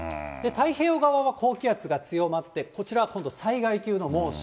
太平洋側は高気圧が強まって、こちらは災害級の猛暑。